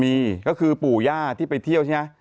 มีก็คือปู่ย่าที่ไปเที่ยวใช่ไหม